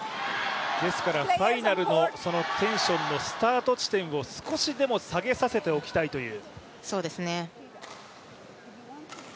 ファイナルのテンションのスタート地点を少しでも下げさせておきたいという。